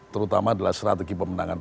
terutama adalah strategi pemenangan